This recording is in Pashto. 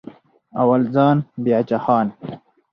اول ځان بیا جهان